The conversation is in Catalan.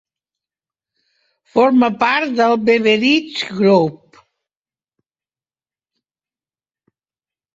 Forma part del Beveridge Group.